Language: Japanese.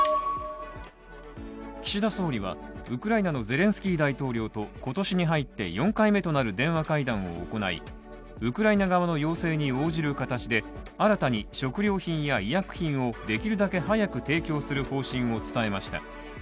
岸田総理はウクライナのゼレンスキー大統領と今年に入って４回目となる電話会談を行いウクライナ側の要請に応じる形で新たに食料品や医薬品をできるだけ早く提供する方針を伝えました。